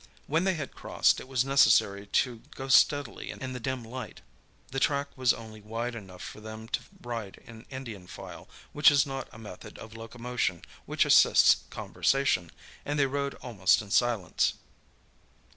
When they had crossed, it was necessary to go steadily in the dim light. The track was only wide enough for them to ride in Indian file, which is not a method of locomotion which assists conversation, and they rode almost in silence.